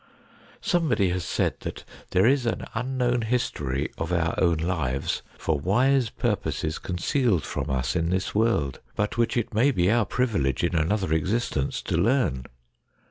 Somebody has said that ' There is an unknown history of our own lives for wise purposes concealed from us in this world, but which it may be our privilege in another existence to learn.'